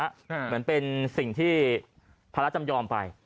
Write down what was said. เหมือนเป็นสิ่งที่ภาระจำยอมไป